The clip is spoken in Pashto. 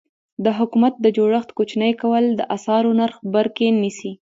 د حکومت د جوړښت کوچني کول د اسعارو نرخ بر کې نیسي.